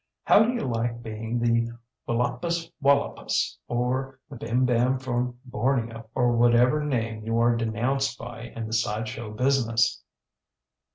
How do you like being the willopus wallopus or the bim bam from Borneo, or whatever name you are denounced by in the side show business?